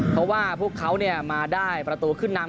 เพราะว่าพวกเขามาได้ประตูขึ้นนำ